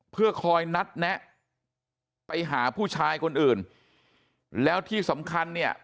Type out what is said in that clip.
เพื่อคอยนัดแนะไปหาผู้ชายคนอื่นแล้วที่สำคัญเนี่ย